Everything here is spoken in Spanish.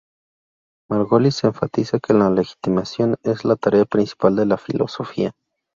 Margolis enfatiza que la legitimación es la tarea principal de la filosofía.